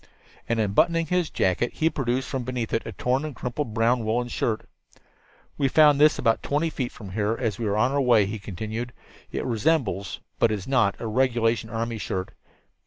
And, unbuttoning his jacket, he produced from beneath it a torn and crumpled brown woolen shirt. "We found this about twenty feet from here as we were on our way," he continued. "It resembles, but it is not, a regulation army shirt.